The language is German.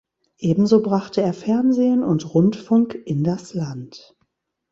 Ebenso brachte er Fernsehen und Rundfunk in das Land.